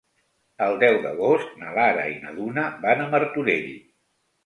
El deu d'agost na Lara i na Duna van a Martorell.